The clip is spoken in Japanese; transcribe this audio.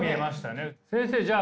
先生じゃあ